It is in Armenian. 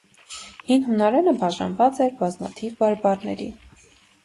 Հին հունարենը բաժանված էր բազմաթիվ բարբառների։